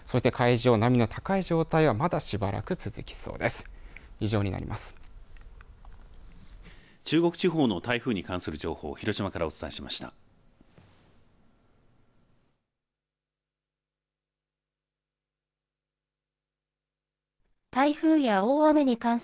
そして海上、波の高い状態はまだしばらく続きそうです。